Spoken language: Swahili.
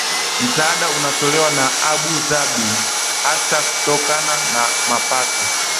msaada unaotolewa na Abu Dhabi hasa kutokana na mapato